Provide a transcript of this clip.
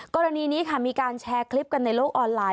กรณีนี้ค่ะมีการแชร์คลิปกันในโลกออนไลน